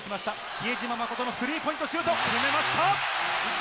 比江島慎のスリーポイントシュート、決めました。